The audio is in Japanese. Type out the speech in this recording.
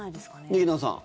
劇団さん。